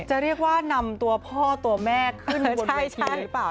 จะเรียกว่านำตัวพ่อตัวแม่ขึ้นบนชั้นหรือเปล่า